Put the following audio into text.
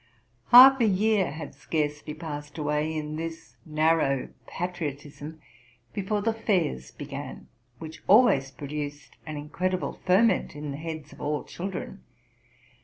Half a year had scarcely passed away in this narrow patriotism before the fairs began, which always produced an incredible ferment in the heads of all children.